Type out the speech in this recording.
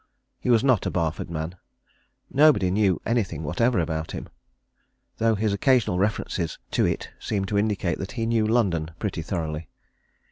He was not a Barford man. Nobody knew anything whatever about him, though his occasional references to it seemed to indicate that he knew London pretty thoroughly.